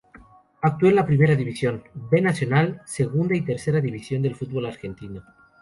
Actuó en Primera División, "B" Nacional, Segunda y Tercera división del Fútbol Argentino.